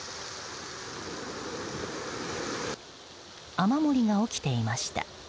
雨漏りが起きていました。